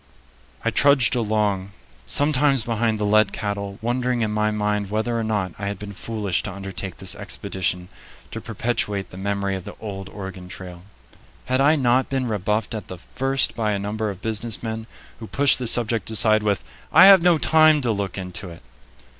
I trudged along, sometimes behind the led cattle, wondering in my mind whether or not I had been foolish to undertake this expedition to perpetuate the memory of the old Oregon Trail. Had I not been rebuffed at the first by a number of business men who pushed the subject aside with, "I have no time to look into it"?